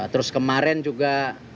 terus kemarin juga